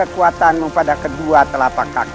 atau akan kubunuh kau sekalian